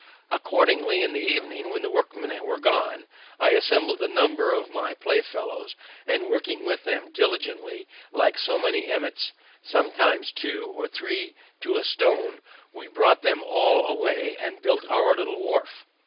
Accordingly, in the evening, when the workmen were gone, I assembled a number of my playfellows, and working with them diligently like so many emmets, sometimes two or three to a stone, we brought them all away and built our little wharf.